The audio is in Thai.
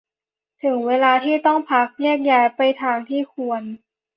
ถึงเวลาที่ต้องพัก แยกย้ายไปทางที่ควร